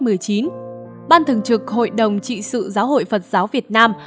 ban thực trực hội đồng trị sự giáo hội phật giáo việt nam vừa đề nghị ban trị sự giáo hội phật giáo việt nam